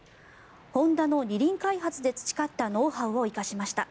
ホンダの二輪開発で培ったノウハウを生かしました。